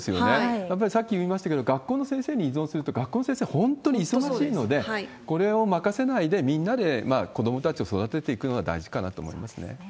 やっぱりさっき言いましたけれども、学校の先生に依存すると、学校の先生は本当に忙しいので、これを任せないで、みんなで子どもたちを育てていくのが大事かなと思いますね。